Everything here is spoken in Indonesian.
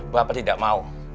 bapak tidak mau